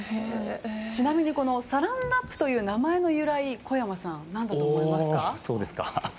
ちなみにサランラップの名前の由来は小山さん、何だと思いますか？